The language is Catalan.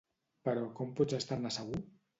Però com pots estar-ne segur?